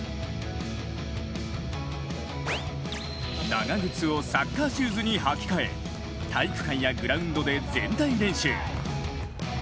長靴をサッカーシューズに履き替え体育館やグラウンドで全体練習。